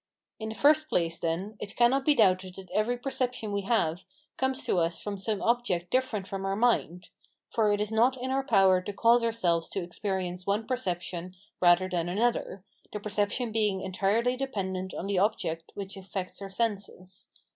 In the first place, then, it cannot be doubted that every perception we have comes to us from some object different from our mind; for it is not in our power to cause ourselves to experience one perception rather than another, the perception being entirely dependent on the object which affects our senses.